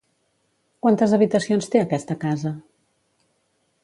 Quantes habitacions té aquesta casa?